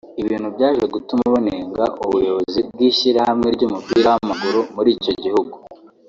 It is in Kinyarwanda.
ibintu byaje gutuma banenga Ubuyobozi bw’Ishyirahamwe ry’umupira w’amaguru muri icyo gihugu